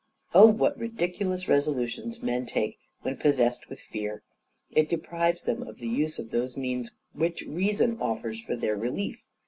Oh, what ridiculous resolutions men take when possessed with fear! It deprives them of the use of those means which reason offers for their relief.